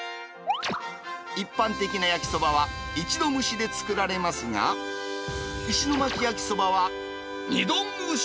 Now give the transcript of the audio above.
一般的な焼きそばは一度蒸しで作られますが、石巻焼きそばは二度蒸し。